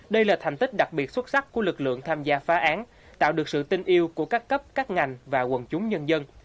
đây là thành tích đặc biệt xuất sắc của lực lượng tham gia phá án tạo được sự tin yêu của các cấp các ngành và quần chúng nhân dân